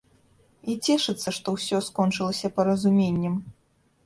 І цешыцца, што ўсё скончылася паразуменнем.